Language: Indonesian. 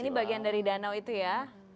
ini bagian dari danau itu ya